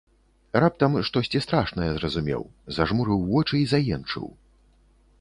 Раптам штосьці страшнае зразумеў, зажмурыў вочы і заенчыў.